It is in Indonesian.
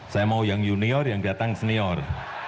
saya mau yang junior yang datang senior